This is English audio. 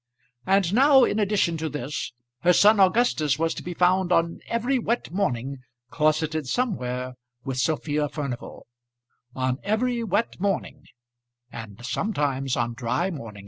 And now, in addition to this, her son Augustus was to be found on every wet morning closeted somewhere with Sophia Furnival; on every wet morning, and sometimes on dry mornings also!